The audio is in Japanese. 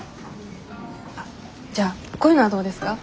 あっじゃあこういうのはどうですか？